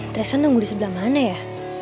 terasa nunggu di sebelah mana ya